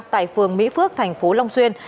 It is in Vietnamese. tại phường mỹ phước thành phố long xuyên